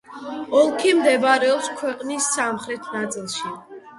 ოლქი მდებარეობს ქვეყნის სამხრეთ ნაწილში.